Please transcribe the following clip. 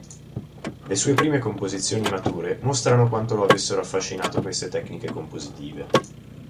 Le sue prime composizioni mature, mostrano quanto lo avessero affascinato queste tecniche compositive.